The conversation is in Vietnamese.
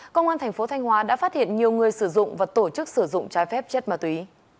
công an thành phố thanh hóa đã phát hiện nhiều người sử dụng và tổ chức sử dụng trái phép chất ma túy